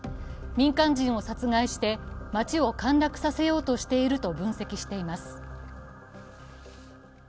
民間人を殺害して街を陥落させようとしていると分析しています。